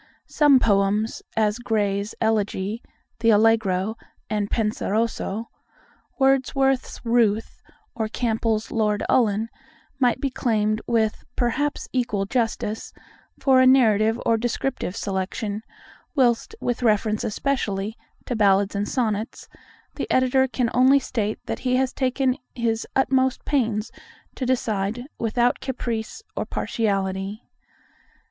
Some poems, as Gray's "Elegy," the "Allegro" and "Penseroso," Wordsworth's "Ruth," or Campbell's "Lord Ullin," might be claimed with perhaps equal justice for a narrative or descriptive selection; whilst with reference especially to ballads and sonnets, the Editor can only state that he has taken his utmost pains to decide without caprice or partiality.